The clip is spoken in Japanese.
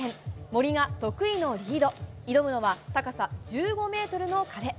森が得意のリード、挑むのは高さ１５メートルの壁。